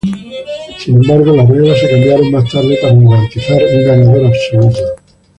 Sin embargo, las reglas se cambiaron más tarde para garantizar un ganador absoluto.